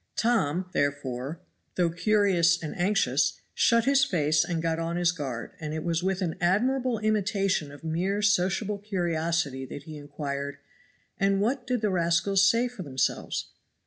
Tom, therefore, though curious and anxious, shut his face and got on his guard, and it was with an admirable imitation of mere sociable curiosity that he inquired, "And what did the rascals say for themselves?"